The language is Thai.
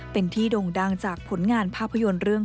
เป็นที่โด่งดังจากผลงานภาพยนตร์เรื่อง